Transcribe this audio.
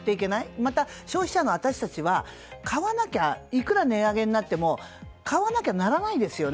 また、消費者の私たちはいくら値上げになっても買わなきゃならないですよね。